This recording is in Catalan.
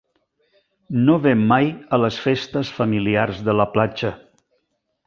No ve mai a les festes familiars de la platja.